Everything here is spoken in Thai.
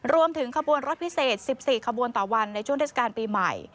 ขบวนรถพิเศษ๑๔ขบวนต่อวันในช่วงเทศกาลปีใหม่